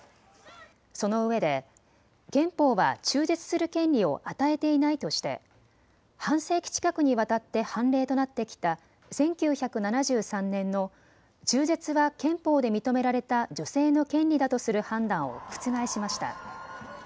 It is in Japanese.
そのうえで憲法は中絶する権利を与えていないとして半世紀近くにわたって判例となってきた１９７３年の中絶は憲法で認められた女性の権利だとする判断を覆しました。